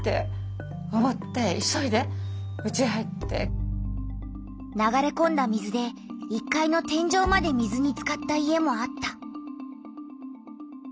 そして流れこんだ水で１階の天じょうまで水につかった家もあった。